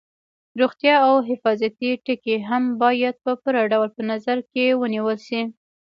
روغتیا او حفاظتي ټکي هم باید په پوره ډول په نظر کې ونیول شي.